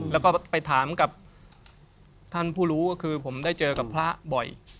แล้วก็ไปถามกับท่านผู้รู้ก็คือผมได้เจอกับพระบ่อย